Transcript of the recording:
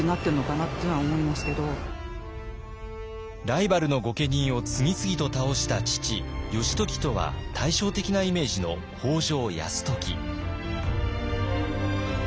ライバルの御家人を次々と倒した父義時とは対照的なイメージの北条泰時。